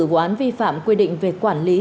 của án vi phạm quy định về quản lý